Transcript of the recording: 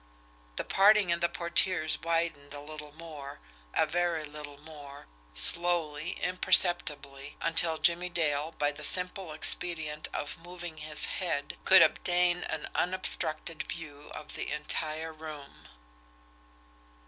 The parting in the portieres widened a little more, a very little more, slowly, imperceptibly, until Jimmie Dale, by the simple expedient of moving his head, could obtain an unobstructed view of the entire room.